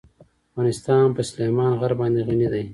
افغانستان په سلیمان غر باندې غني دی.